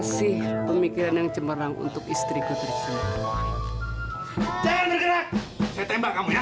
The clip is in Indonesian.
sampai jumpa di video selanjutnya